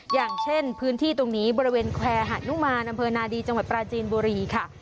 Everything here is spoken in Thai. อย่างเช่นพื้นที่ตรงนี้บริเวณแควร์หานุมานอำเภอนาดีจังหวัดปราจีนบุรีค่ะ